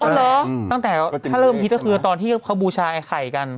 เอาเหรอตั้งแต่ถ้าเริ่มคิดก็คือตอนที่เขาบูชาไอ้ไข่กัน